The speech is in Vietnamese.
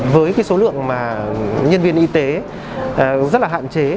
với cái số lượng nhân viên y tế rất là hạn chế